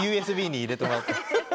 ＵＳＢに入れてもらって。